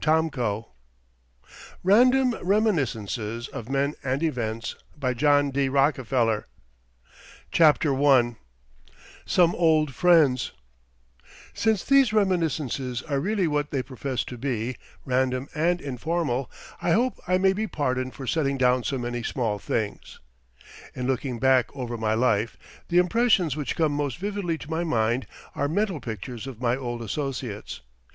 The Benevolent Trust The Value of the Cooperative Principle in Giving CHAPTER I SOME OLD FRIENDS Since these Reminiscences are really what they profess to be, random and informal, I hope I may be pardoned for setting down so many small things. In looking back over my life, the impressions which come most vividly to my mind are mental pictures of my old associates.